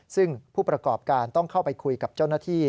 ซึ่งผู้ประกอบการต้องเข้าไปคุยกับเจ้าหน้าที่